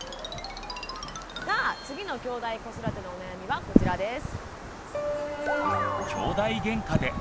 さあ次のきょうだい子育てのお悩みはこちらです。